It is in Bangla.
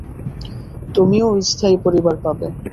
তুমিও স্থায়ী পরিবার পাবে।